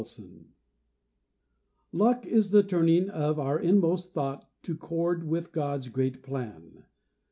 LUCK Luck is the tuning of our inmost thought To chord with God's great plan.